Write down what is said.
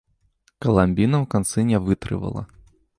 Каламбіна ў канцы не вытрывала.